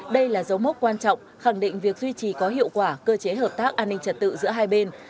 đây là dấu mốc quan trọng khẳng định việc duy trì có hiệu quả cơ chế hợp tác an ninh trật tự giữa hai bên